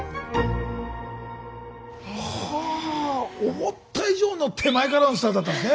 はあ思った以上の手前からのスタートだったんですね。